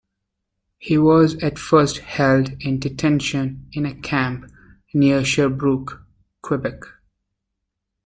He was at first held in detention in a camp near Sherbrooke, Quebec.